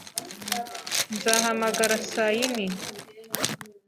Nzahamagara saa yine.